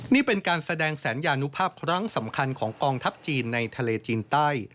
นี่เป็นการแสดงสัญญานุภาพครั้งสำคัญของกองทัพจีนในทะเลจีนใต้